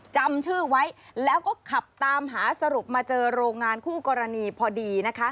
จำชื่อไว้แล้วก็ขับตามหาสรุปมาเจอโรงงานคู่กรณีพอดีนะคะ